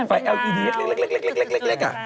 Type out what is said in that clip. แอลลีดีเล็กอ่ะตื่น